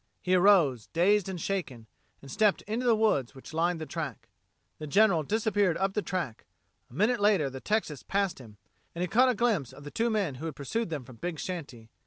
He arose, dazed and shaken, and stepped into the woods which lined the track. The General disappeared up the track; a minute later the Texas passed him, and he caught a glimpse of the two men who had pursued them from Big Shanty.